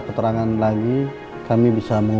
kurang sizi selesaikan nanti